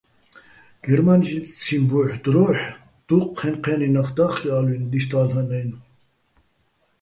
გერმა́ნიეციჼ ბუჰ̦ დროჰ̦ დუჴ ჴენ-ჴე́ნი ნახ და́ხკეჼ ალვინ დისდა́ლ'ანაჲნო̆.